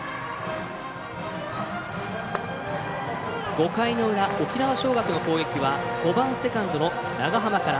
５回の裏、沖縄尚学の攻撃は５番セカンドの長濱から。